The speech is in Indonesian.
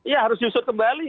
ya harus diusut kembali